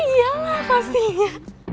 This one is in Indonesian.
iya lah pastinya